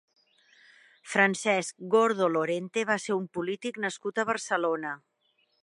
Francesc Gordo Lorente va ser un polític nascut a Barcelona.